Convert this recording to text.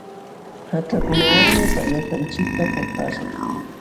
Haćhakunawanmi pallaśhqanchikta pampaśhun.